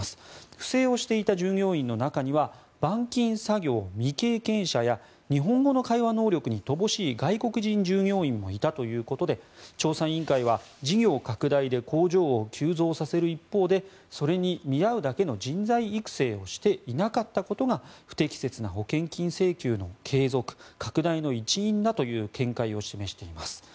不正をしていた従業員の中には板金作業未経験者や日本語の会話能力に乏しい外国人従業員もいたということで調査委員会は、事業拡大で工場を急増させる一方でそれに見合うだけの人材育成をしていなかったことが不適切な保険金請求の継続・拡大の一因だという見解を示しています。